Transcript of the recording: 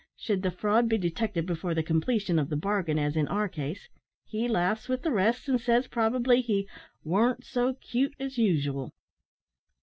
Should the fraud be detected before the completion of the bargain, as in our case, he laughs with the rest, and says, probably, he `warn't so 'cute as usual.'"